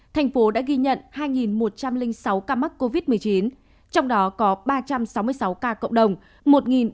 thành phố đã ghi nhận hai một trăm linh sáu ca mắc covid một mươi chín trong đó có ba trăm sáu mươi sáu ca cộng đồng